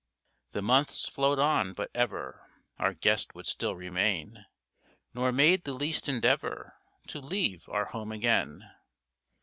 The months flowed on, but ever Our guest would still remain, Nor made the least endeavour To leave our home again.